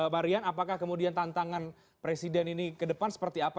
pak rian apakah kemudian tantangan presiden ini ke depan seperti apa